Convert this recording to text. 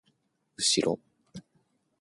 うしろ！